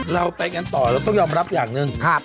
เราไปกันต่อแล้วต้องรับอย่างหนึ่ง